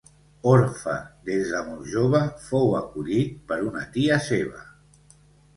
Orfe des de molt jove, fou acollit per una tia seva.